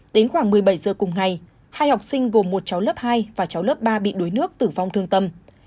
đến khoảng một mươi bảy giờ cùng ngày hai học sinh gồm một cháu lớp hai và cháu lớp ba bị đuối nước tử vong thương tâm